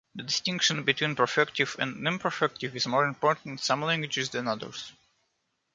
The distinction between perfective and imperfective is more important in some languages than others.